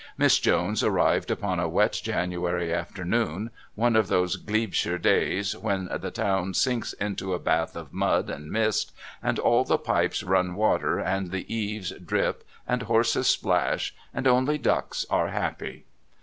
Miss Jones arrived upon a wet January afternoon, one of those Glebeshire days when the town sinks into a bath of mud and mist and all the pipes run water and the eaves drip and horses splash and only ducks are happy.